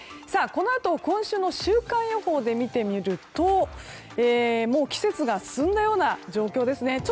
このあと今週の週間予報で見てみるともう季節が進んだような状況ですね。